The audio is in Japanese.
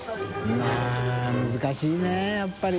うん難しいねやっぱり。